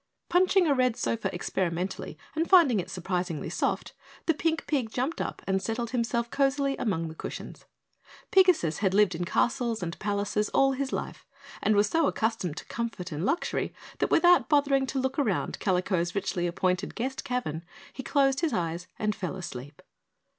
Punching a red sofa experimentally and finding it surprisingly soft, the pink pig jumped up and settled himself cozily among the cushions. Pigasus had lived in castles and palaces all his life and was so accustomed to comfort and luxury that without bothering to look around Kalico's richly appointed guest cavern he closed his eyes and fell asleep.